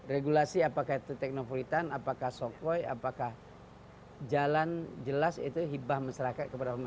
regulasi apakah itu teknopolitan apakah sokway apakah jalan jelas itu hibah masyarakat kepada pemerintah